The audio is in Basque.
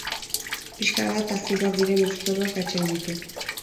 Pixka bat azidoak diren lurzoruak atsegin ditu.